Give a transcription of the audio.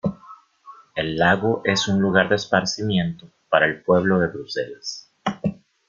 El lago es un lugar de esparcimiento para el pueblo de Bruselas.